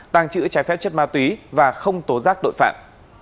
tàng trữ trái phép chất ma túy và không tố giác tội phạm